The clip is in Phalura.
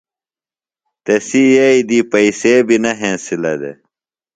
تسی یئیی دی پئسے بیۡ نہ ہنسِلہ دےۡ۔